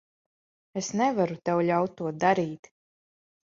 Es nevaru tev ļaut to darīt.